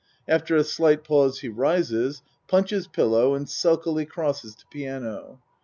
After a slight pause he rises punches pillow and sulkily crosses to piano.